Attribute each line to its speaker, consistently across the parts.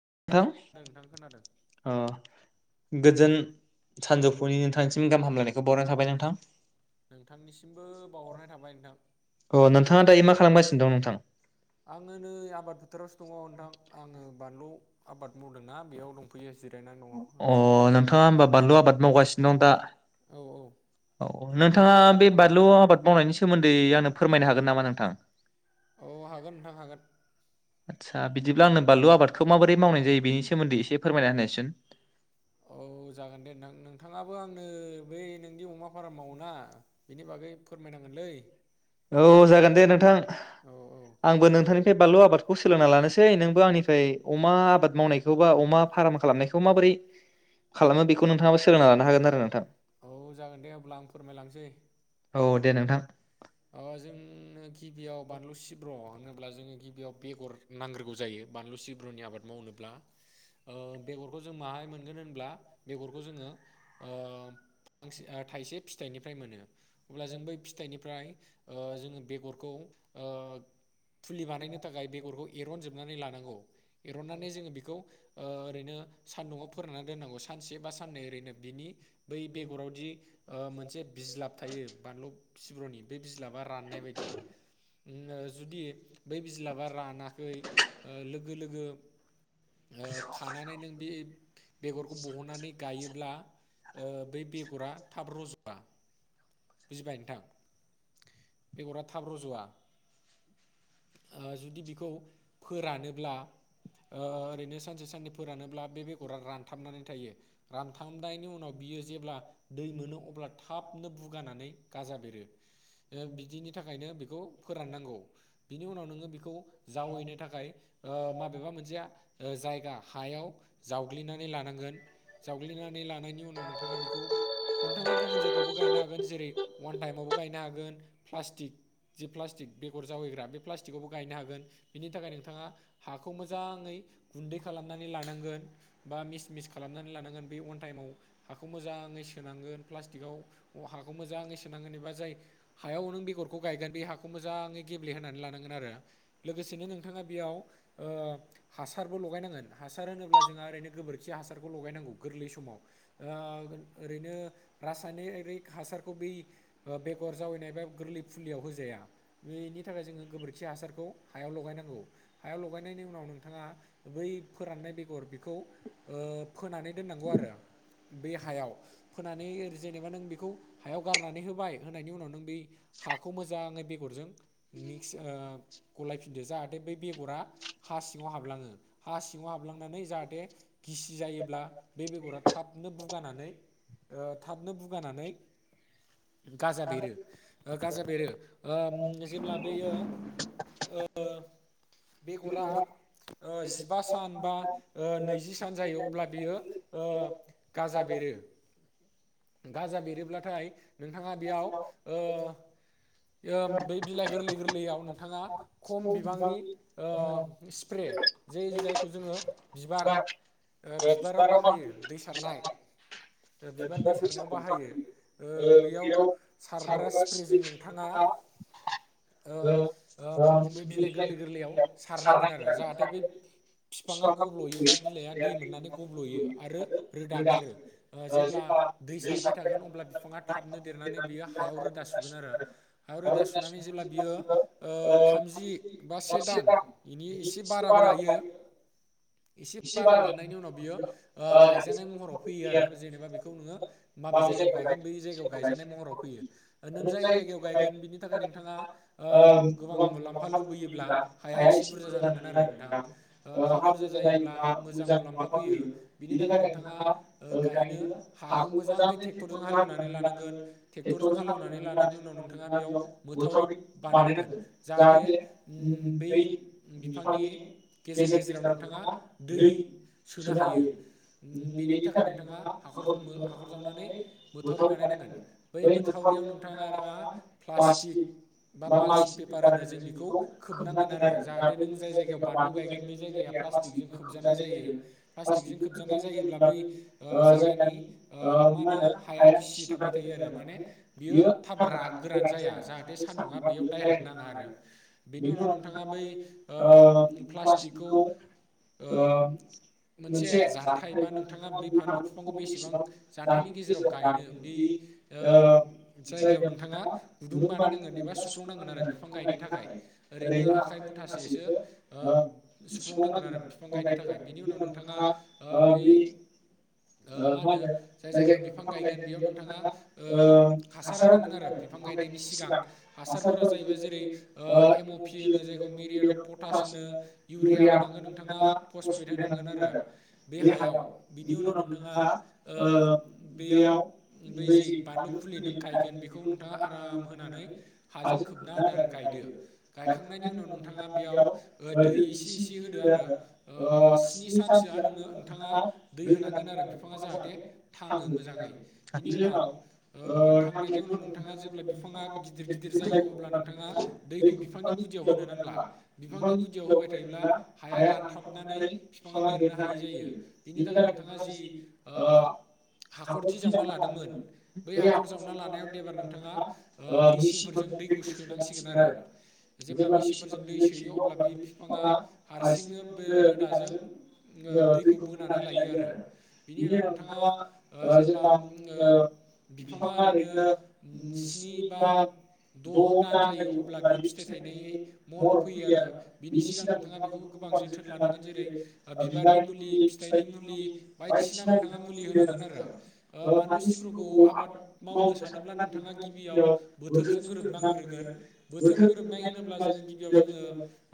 Speaker 1: [unintelligible] खोनादो
Speaker 2: गोजोन सानजौफुनि नोंथांनिसिम गाहाम हामलायनायखौ बावहरनाय थाबाय नोंथां।
Speaker 1: नोंथांनिसिमबो बावहरनाय थाबाय नोंथां आंङो नै आबाद बोथोरावसो दङ नोंथां। आंङो बानलु आबाद मावदोंना बेयाव दंफैयो।
Speaker 2: अह नोंथांङा ओमबा बालुआ आबाद मावगासिनं दा
Speaker 1: औ औ
Speaker 2: अ नोंथाङा बे बानलु आबाद मावनायनि सोमोन्दै आंनो फोरमायनो हागोन नामा नोंथां?
Speaker 1: औ हागोन नोंथां हागोन।
Speaker 2: आदसा बिदिब्ला आंनो बानलु आबादखौ माबोरै मावनाय जायो बेनि सोमोन्दै एसे फोरमायना होनायसुन।
Speaker 1: औ जागोन दे नोंथां नोंथाङाबो आंनो बै नोंनि अमा फारामावोना बेनि बागै फोरमायनांगोनलै।
Speaker 2: औ जागोन दे नोंथां। आंबो नोंथांनिफ्राय बानलु आबाद खौ सोलोंना लानोसै नोंबो आंनिफ्राय अमा आबाद मावनायखौ बा अमा फार्म खालामनायखौ माबोरै खालामो बेखौ नोंथाङाबो सोलोंना लानो हागोन आरो नोंथां।
Speaker 1: औ जागोन दे अब्ला आं फोरमायलांसै।
Speaker 2: औ दे नोंथां।
Speaker 1: अ जोंनो गिबियाव बानलु सिब्र होनोब्ला जोङो गिबियाव बेगर नांग्रोगौ जायो बानलु सिब्रनि आबाद मावनोब्ला ओ बेगरखौ जों माहाय मोनगोन होनब्ला बेगरखौ जोङो ओ फांसे थाइसे फिथाइनिफ्राय मोनो अब्ला जों बै फिथाइनिफ्राय ओ जोङो बेगरखौ ओ। फुलि बानायनो थाखाय बेगरखौ एरनजोबनानै लानांगौ एरननानै जोङो बेखौ ओ ओरैनो सानदुंआव फोरानना दोननांगौ सानसे बा साननै ओरैनो बिनि बै बेगराव दि ओ मोनसे बिज्लाब थायो बानलु सिब्रनि। बे बिज्लाबा राननाय बायदि ओम जुदि बै बिज्लाबा रानाखै ओ लोग गो लोगो ओ खानानै नों बे बेगरखौ बहननानै गायोब्ला ओ बै बेगरा थाब रजआ। बुजिबाय नोंथां बेगरा थाब रजआ ओ जुदि बिखौ फोरानोब्ला ओ ओरैनो सानसे साननै फोरानोब्ला बे बेगरा रानथाबनानै थायो रानथाबनायनि उनाव बियो जेब्ला दै मोनो अब्ला थाबनो बु गानानै गाजा बेरो बिदिनि थाखायनो बेखौ फोराननांगौ बिनि उनाव नोंङो बेखौ जावैनो थाखाय ओ माबेबा मोनसे ओ जायगा हायाव जावग्लिनानै लानांगोन जावग्लिनानै लानायनि उनाव नोंथाङा बेखौ नोंथाङा गुबुन जायगायावबो गायनो हागोन वान टाइमावबो गायनो हागोन प्लास्टिक जि प्लासटिक बेगर जावायग्रा बे प्लास्टिआवबो गायनो हागोन। बिनि थाखाय नोंथाङा हाखौ मोजाङै गुन्दै खालामनानै लानांगोन बा मिस मिस खालामनानै लानांगोन बे अवान टाइमाव हाखौ मोजाङै सोनांगोन प्लास्टिआव अ हा हाखौ मोजाङै सोनांगोन एबा जाय हायाव नों बेगरखौ गायगोन बे हाखौ मोजाङै गेब्लेहोनानै लानांगोन आरो लोगोसेनो नोंथाङा बेयाव ओ हासारबो लगायनांगोन हासार होनोब्ला जोंहा ओरैनो गोबोरखि हासारखौ लगायनांगौ गोरलै समाव ओरैनो रासायनिक हासारखौ बै बेगर जावैनाय एबा गोरलै फुलियाव होजाया बेनि थाखाय जोङो गोबोरखि हासारखौ हायाव लगायनांगौ हायाव लगायनायनि उनाव नोंथाङा बै फोराननाय बेगर बेखौ ओ फोनानै दोननांगौ आरो बै हायाव फोनानै जेनेबा नों बेखौ हायाव गारनानै होबाय होनायनि उनाव नों बै हाखौ मोजाङै बेगरजों मिक्स ओ गलायफिनदो जाहाथे बै बेगरा हा सिङाव हाबलाङो हा सिङाव हाबलांनानै जाहाथे गिसि जायोब्ला बे बेगरा थाबनो बुगानानै ओ थाबनो बुगानानै गाजा बेरो ओ गाजा बेरो ओ जेब्ला बेयो ओ बेगरा ओ जिबा सान बा ओ नैजि सान जायो अब्ला बियो ओ गाजा बेरो। गाजा बेरोब्लाथाय नोंथाङा बेयावओ ओ बै बिलाइ गोरलै गोरलैयाव नोंथाङा खम बिबांनि ओ स्प्रे जे जायखौ जोङो बिबार बिबाराव बाहायो दै सारनाय बिबार दै सारनायाव बाहायो ओ बैयाव सारग्रा स्प्रेजों नोंथाङा ओ ओ बै बिलाइ गोरलै गोरलैयाव सारनां गोन आरो जाहाथे बै फिफाङा गब्लयोबा बिलाइआ दै मोननानै गब्लयो आरो रोदा ओंखारो। ओ
Speaker 2: जेब्ला
Speaker 1: दै सारबाय थागोन अब्ला बिफाङा थाबनो देरनानै बेयो हायाव रोदा सुगोन आरो हायाव रोदा सुनानै जेब्ला बियो ओ थामजि बा से दान बिनि एसे बाराबो लायो एसे बारा लानायनि उनाव बियो ओ गायजानाय महराव फैयो आरो जेनेबा बेखौ नोङो माबे जायगायाव गायगोन बै जायगायाव गायजानाय महराव फैयो। ओ नों जाय जायगायाव गायगोन बिनि थाखाय नोंथाङा ओ गोबां मुलाम्फा लुबैयोब्ला हाया एसे बुरजा जानांगोन आरो नोंथां ओ हा बुरजा जायोब्ला मोजां मुलाम्फा फैयो बिनि थाखाय नोंथाङा ओ गायनो हा ट्रेक्टरजों हालेवनानै लानांगोन ट्रेक्टरजों हालेवनानै लानायनि उनाव नोंथाङा बेयाव मोथावरि बानायनांगोन जाहाथे बै बिफांनि गेजेर गेजेराव नोंथाङा दै सोनो हायो बेनि थाखाय नोंथाङा हाखर मो जावनानै मोथावरि बानायनांगोन बै मोथावरियाव नोंथाङा आरो मा प्लास्टिक बा मालसिं पेपार होनो जों बेखौ खोबनांगोन आरो जाहाथे नों जाय जायगायाव बानलु गायगोन बे जायगाया प्लाटिकजों खोबजानाय जायो प्लास्टिकजों खोबजानाय जायोब्ला बै ओ जायगानि ओ मा होनो हाया गिसि थाबाय थायो आरो माने बियो थाब राना गोरान जाया जाहाथे सान्दुंङा बेयाव दडाइरेक्ट नाङा आरो बेनि उनाव नोंथाङा बै ओ प्लास्टिकखौ ओ मोनसे जानथायाइ बा नोंथाङा बै फानलु बिफांखौ बेसेबां जानथायाइनि गेजेराव गायनो बै ओ जायगायाव नोंथाङा गुदुं बानायनांगोन एबा सुफ्लंनांगोन आरो बिफां गायनो थाखाय ओरैनो आखाइ मुथासेसो ओ सुफ्लंनांगोन आरो बिफां गायनो थाखाय बिनि उनाव नोंथाङा ओ बै मा होनो जाय जायगायाव बिफां गायगोन बेयाव नोंथाङा ओ हासार होनांगोन आरो बिफां गायनायनि सिगां हासारफोरा जाहैबाय ओ जेरै एम आ पि होनो जायखौ मेरियार अफ पटास होनो इउरिया होनांगोन नोंथाङा फसफेट होनांगोन आरो बे हायाव बिनि उनाव नोंथाङा ओ बेयाव बेै जि बानलु फुलि नों गायगोन बेखौ नोंथाङा आराम होनानै हाजों खोबना होदो आरो गायदो। गायखांनायनि उनाव नोंथाङा बेयाव दै इसे इसे होदो आरो ओ स्नि सानसो नोङो नोंथाङा दै होनांगोन आरो बिफाङा जाहाथे थाङो मोजाङै बिनि उनाव ओ थांनायनि उनाव नोंथाङा जेब्ला बिफाङा गिदिर गिदिर जायो अब्ला नोंथाङा दैखौ बिफांनि गुदियाव होनो नांला बिफांनि गुदियाव होबाय थायोब्ला हाया रानथाबनानै बिफाङा देरनो हायै जायो बिनि थाखाय नोंथाङा जि ओ हाखर दि जावना लादोंमोन बै हाखर जावना लानायाव देबार नोंथाङा ओ मिसिंफोरजों दैखौ सोनांसिगोन आरो जेब्ला मिसिंफोरजों दै सोयो अब्ला बे बिफाङा हारसिंनो बे रोदाजों ओ दैखौ बोनानै लायो आरो बिनि उनाव नोंथाङा ओ जेब्ला उम ओ बिफाङा ओरैनो उम स्नि बा द‌ दान जायो अब्ला बियो फिथाइ थायनाय महराव फैयो आरो बिनि सिगां नोंथाङा बेखौ गोबां जोथोन लानांगोन जेरै ओ बिबारनि मुलि फिथाइनि मुलि बायदिसिना नोंथाङा मु मुलि होनांगोन आरो ओ बानलु सिब्रुखौ आबाद मावनो सानोब्ला नोंथाङा गिबियाव बोथोरजों गोरोबनांग्रोगोन बोथोर गोरोबनाय होनोब्ला जोङो गिबियाव जोङो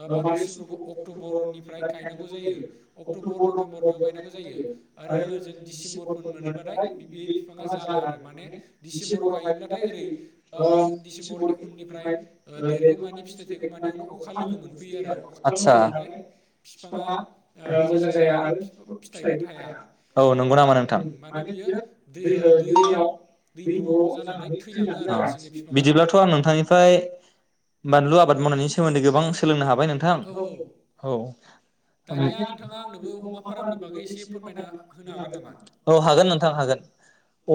Speaker 1: ओ बानलु सिब्रुखौ अक्टबरनिफ्राय गायनांगौ जायो अक्टबर नभेम्बर बेयाव गायनांगौ जायो आरो जों दि दिसेम्बरफोर मोनोबा फ्राय बि-बि‌ बिफाङा जाला आरो माने डिसेम्बराव गायोब्लाथाय ओरै ओम डिसेम्बरनि उननिफ्राय ओ देरगौ मानि फिथाइ थाइगौ मानियावनो अखा लोगो मोनफैयो आरो अखा लोगो मोनबाथाय बिफाङा ओ मोजां जाया आरो बि फिथाइबो थाया
Speaker 2: नंगौ नामा नोंथां माने बियो दैओ दैआव दैब्र जानानै थैलाङो आरो हारसिंनि बिफाङा बिदिब्लाथ आं‌ नोंथांनिफ्राइ बानलु आबाद मावनायनि सोमोन्दै गोबां सोलोंनो हाबाय नोंथां औ औ औ दानिया नोंथाङा आंनोबो अमा फारामनि बागै एसे फोरमायना हो होनो हागोन नामा औ हागोन नोंथां हागोन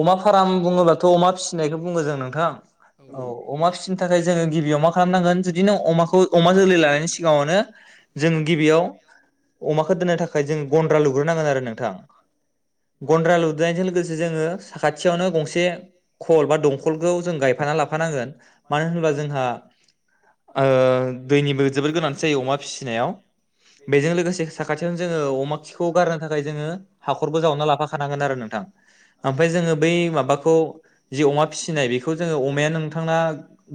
Speaker 2: अमा फाराम बुङोब्लाथ अमा फिसिनायखौ बुङो जों नोंथां औ अमा फिसिनो थाखाय जोङो गिबियाव मा खालामनांगोन जुदि नों अमाखौ अमा जोलै लानायनि सिगाङावनो जों गिबियाव अमाखौ दोननो थाखाय जों गन्द्रा लुग्रोनांगोन आरो नोंथां गन्द्रा लुदनायजों लोगोसे जोङो साखाथियावनो गंसे खल बा दंखलखौ जों गायफाना लाफानांगोन मानो होनबा जोंहा ओ दैनिबो जोबोद गोनां जायो अमा फिसिनायाव बेजों लोगोसे साखाथियावनो जोङो अमा खिखौ गारनो थाखाय जोङो खरबो जावना लाफाखानांगोन आरो नोंथां आमफाय जोङो बै माबाखौ जे अमा फिसिनाय बेखौ जोङो अमाया नोंथांना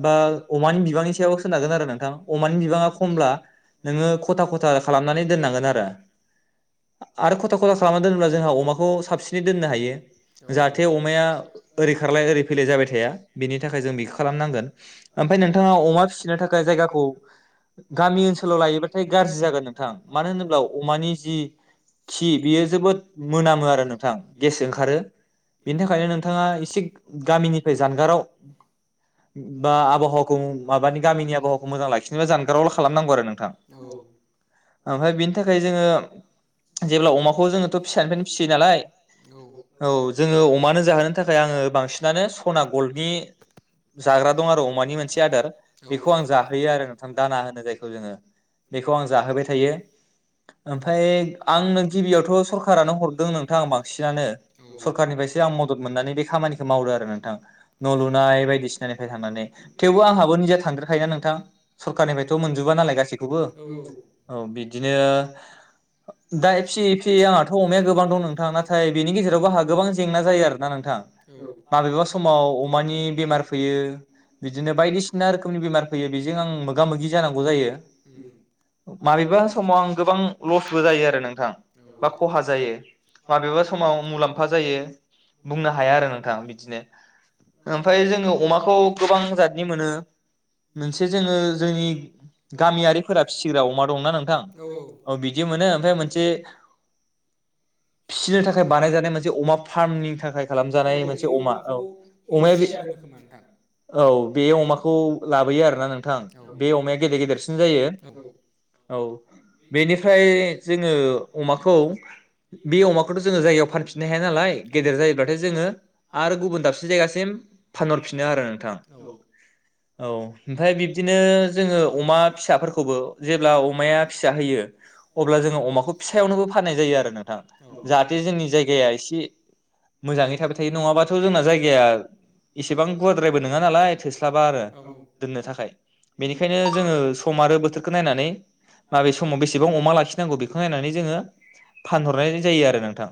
Speaker 2: बा अमानि बिबांनि सायाव सोनारगोन आरो नोंथां अमानि बिबाङा खमब्ला नोङो खथा खथा खालामनानै दोननांगोन आरो आरो आरो खालामना दोनोब्ला जोंहा अमाखौ साबसिनै दोननो हायो जाहाथे अमाया ओरै खारलाय ओरै फैलाय जाबाय थाया बेनि थाखाय जों बेखो खालामनांगोन आमफाय नोंथाङा अमा फिसिनो थाखाय जायगाखौ गामि ओनसोलाव लायोबाथाय गाज्रि जागोन नोंथां मानो होनोब्ला अमानि जि खि बियो जोबोद मोनामो आरो नोंथां गेस ओंखारो बिनि थाखायनो नोंथाङा एसे गामिनिफ्राय जानगाराव बा आबहावाखौ माबानि गामिनि आबहावाखौनो मोजां लाखिनोबा जानगारावल खालामनांगौ आरो नोंथां औ आमफाय बिनि थाखाय जोङो जेब्ला अमा अ जोङोथ फिसानिफ्रायनो फिसियो नालाय औ जोङो अमानो जाहोनो थाखाय आङो बांसिनानो सना गल्डनि जाग्रा दं आरो अमानि मोनसे आदार बेखौ आं जाहोयो आरो नोंथां दाना होनो जायखौ जोङो बेखौ आं जाहोबाय थायो ओमफाय आं नो गिबियावथ सरखारानो हरदों नोंथां बांसिनानो सरखारनिफ्रायसो आं मदद मोननानै बे खामानिखौ मावदों आरो नोंथां न' लुनाय बायदिसि निफ्राय थांनानै थेवबो आंहाबो निजा थांग्रोखायोना नोंथां सरखारनिफ्रायथ मोनजोबा नालाय गासैखौबो औ बिदिनो दाय फियै फियै आंहाथ अमाया गोबां दं नोंथां नाथाय बेनि गेजेरावबो आंहा गोबां जेंना जायो आरोना नोंथां औ माबेबा समाव अमानि बेमार फैयो बिदिनो बायदिसिना रोखोमनि बेमार फैयो बेजों आं मोगा मोगि जानांगौ जायो माबेबा समाव आं गोबां लस बो जायो आरो नोंथां बा खहा जायो माबेबा समाव मुलाम्फा जायो बुंनो हाया आरो नोंथां बिदिनो ओमफ्राय जोङो अमाखौ गोबां जादनि मोनो मोनसे जोङो जोंनि गामियारिफोरा फिसिग्रा अमा दंना नोंथां औ अ बिद बिदि मोनो ओमफ्राय मोनसे फिसिनो थाखाय बानायजानाय मोनसे अमा फार्मनि थाखाय खालामजानाय मोनसे अमा औ अमाया बे औ बे अमाखौ लाबोयो आरो ना नोंथां बे अमाया गेदेर गेदेरसिन जायो औ बेनिफ्राय जोङो अमाखौ बे अमाखौथ जोङो जायगायाव फानफिननो हाया नालाय गेदेर जायोब्लाथाय जोङो आरो गुबुन दाबसे जायगासिम फानहरफिनो आरो नोंथां औ औ ओमफ्राय बिब्दिनो जोङो अमा फिसाफोरखौबो जेब्ला अमाया फिसा होयो अब्ला जोङो अमाखौ सायावनोबो फाननाय जायो आरो नोंथां जाहाथे जोंनि जायगाया एसे मोजाङै थाबाय थायो नङाबाथ जोंना जायगाया इसेबां गुवारद्रायबो नङा नालाय थोस्लाबा आरो दोननो थाखाय बेनिखायनो जोङो सम आरो बोथोरखो नायनानै माबे समाव बेसेबां अमा लाखिनांगौ बेखौ नायनानै जोङो फानहरनाय जायो आरो नोंथां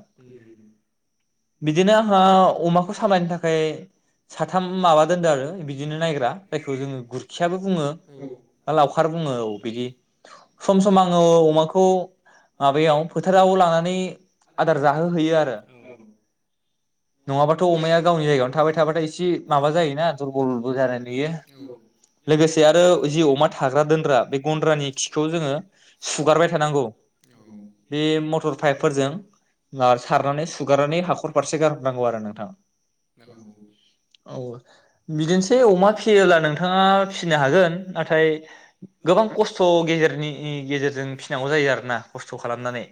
Speaker 2: बिदिनो आंहा अमाखौ सामलायनो थाखाय साथाम माबा दोनदों आरो बिदिनो नायग्रा जायखौ जों खियाबो बुङो ब लावखार बुङो औ बिदि सम सम आङो अमाखौ माबायाव फोथाराव लानानै आदार जाहोहैयोआरो नङाबाथ अमाया गावनि जायगायावनो थाबाय थाबाथाय एसे माबा जायोना दुरबल बल जानाय नुयो लोगोसे आरो जि अमा थाग्रा दोनग्रा बे गन्द्रानि खिखौ जोङो सुगारबाय थानांगौ बे मटर पाइपफोरजों आ सारनानै सुगारनानै हाखर फारसे गार नांगौ आरो नोंथाङ औ बिदिनोसै अमा फियोब्ला नोंथाङा फिसिनो हागोन नाथाय गोबां खस्थ गेजेरनि गेजेरजों फिसिनांगौ जायो आरोना खालामनानै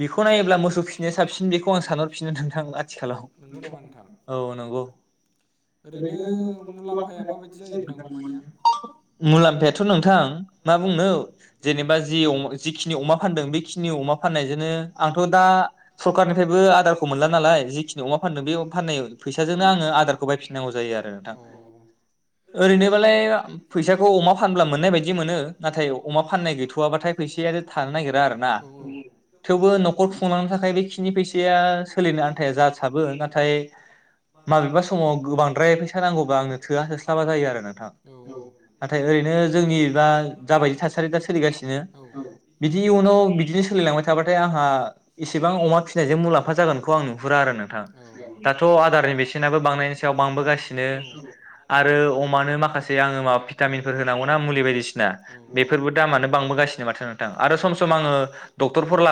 Speaker 2: बेखौ नायोब्ला मोसौ फिनाया साबसिन बेखौ आं सानहरफिनो नोंथां आथिखालाव औ नंगौ मुलाम्फायाथ नोंथां मा बुंनो जेनेबा ज जि-जिखिनि अमा फानदों बेखिनि अमा फाननायजोंनो आंथ दा सरखारारनिफ्रायबो आदारखौ मोनला नालाय जिखिनि अमा फानदों बे फाननाय फैसाजोंनो आङो आदारखौ बायफिन नांगौ जायो आरो नोंथां ओरैनोबालाय फैसाखौ अमा फानब्ला मोननाय बायदि मोनो नाथाय अमा फाननाय गैथ थुआबाथाय फैसायानो थानो नागिरा आर ना थेवबो नखर खुंलांनो थाखाय बेखिनि फैसाया सोलिनो आन्थाया जासाबो नाथाय माबेबा समाव गोबांद्राय फैसा नांगौबा आंनो थोआ थोस्लाबा जायो आरो नोंथां नाथाय ओरैनो जोंनि दा जाबायदि थासारि दा सोलिगासि नो बिदि इयुनाव बिदिनो सोलिलांबाय थाबाथाय आंहा इसेबां अमा फिसिनायजों मुलाम्फा जागोनखौ आं नुहुरा आरो नोंथां दाथ आदारनि बेसेनाबो बांनाय सायाव बांबोगासिनो आरो अमानो माखासे आङो भिटामिनफोर होनांगौनाा मुलि बायदिसिना बेफोरबो दामानो बांबो गासिनो माथो नोंथां आरो सम सम आङो डक्टरफोर ला